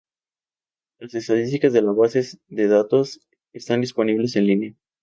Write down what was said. Las estadísticas de la base de datos están disponibles en línea.